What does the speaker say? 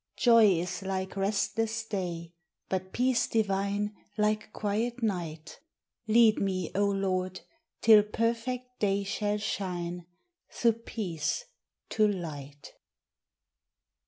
Joy is like restless day ; but peace divine Like quiet night : Lead me, O Lord, — till perfect Day shall shine, Through Peace to Light.